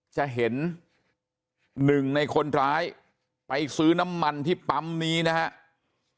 จะเห็นหนึ่งในคนร้ายไปซื้อน้ำมันที่ปั๊มนี้นะครับ